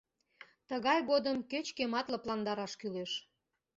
Тыгай годым кеч-кӧмат лыпландараш кӱлеш.